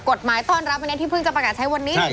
กฎหมายต้อนรับที่พึ่งจะประกาศใช้วันนี้